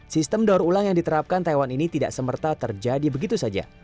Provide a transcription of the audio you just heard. sistem daur ulang yang diterapkan taiwan ini tidak semerta terjadi begitu saja